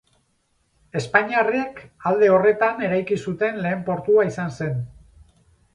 Espainiarrek alde horretan eraiki zuten lehen portua izan zen.